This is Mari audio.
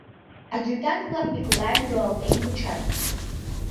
Адъютант-влак Миклайым руалтен кучат.